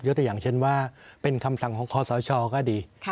ตัวอย่างเช่นว่าเป็นคำสั่งของคอสชก็ดี